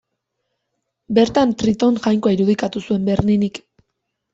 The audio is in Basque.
Bertan Triton jainkoa irudikatu zuen Berninik.